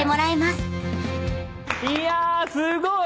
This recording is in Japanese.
いやすごい！